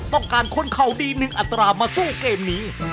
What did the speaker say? ต้องการคนเขาดีหนึ่งอัตรามาสู้เกมนี้